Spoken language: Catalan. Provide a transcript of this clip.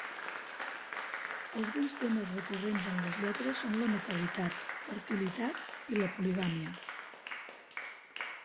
Alguns temes recurrents en les lletres són la natalitat, fertilitat i la poligàmia.